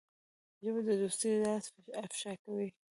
ژبه د دوستۍ راز افشا کوي